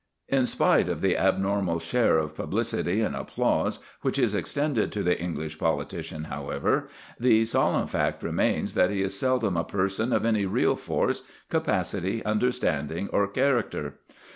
In spite of the abnormal share of publicity and applause which is extended to the English politician, however, the solemn fact remains that he is seldom a person of any real force, capacity, understanding, or character.